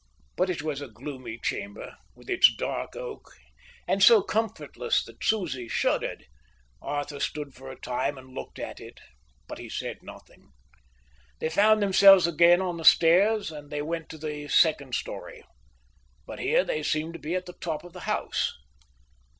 But it was a gloomy chamber, with its dark oak, and, so comfortless that Susie shuddered. Arthur stood for a time and looked at it, but he said nothing. They found themselves again on the stairs and they went to the second storey. But here they seemed to be at the top of the house.